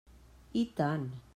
I tant!